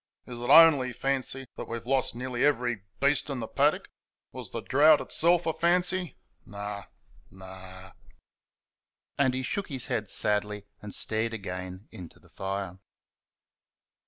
Is it only fancy that we've lost nearly every beast in the paddock? Was the drought itself a fancy? No no." And he shook his head sadly and stared again into the fire.